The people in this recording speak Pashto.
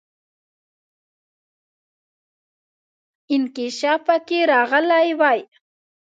انکشاف پکې راغلی وای.